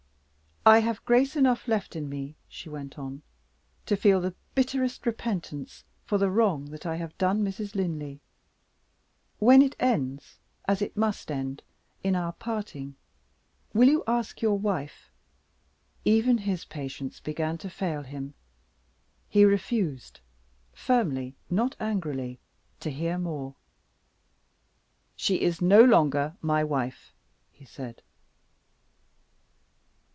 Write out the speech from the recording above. "I have grace enough left in me," she went on, "to feel the bitterest repentance for the wrong that I have done to Mrs. Linley. When it ends, as it must end, in our parting, will you ask your wife ?" Even his patience began to fail him; he refused firmly, not angrily to hear more. "She is no longer my wife," he said.